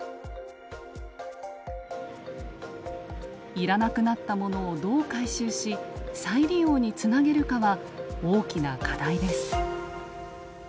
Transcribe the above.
要らなくなったものをどう回収し再利用につなげるかは大きな課題です。